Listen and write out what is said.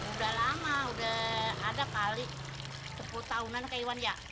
udah lama udah ada kali sepuluh tahunan kayaknya